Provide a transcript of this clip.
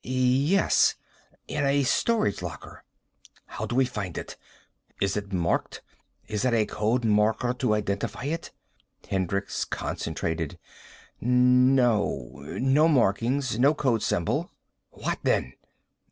"Yes. In a storage locker." "How do we find it? Is it marked? Is there a code marker to identify it?" Hendricks concentrated. "No. No markings. No code symbol." "What, then?"